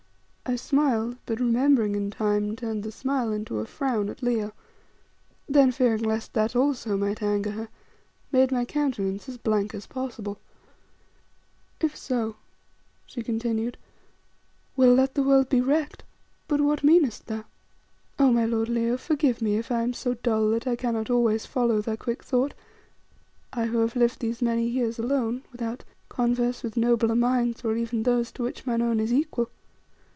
I smiled, but remembering in time, turned the smile into a frown at Leo, then fearing lest that also might anger her, made my countenance as blank as possible. "If so," she continued, "well, let the world be wrecked. But what meanest thou? Oh! my lord, Leo, forgive me if I am so dull that I cannot always follow thy quick thought I who have lived these many years alone, without converse with nobler minds, or even those to which mine own is equal."